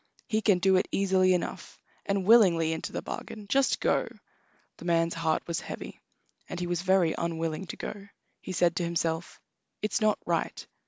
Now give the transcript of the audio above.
"He can do it easily enough, and willingly into the bargain. Just go!" The man's heart was heavy, and he was very unwilling to go. He said to himself: "It's not right."